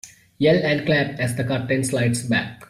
Yell and clap as the curtain slides back.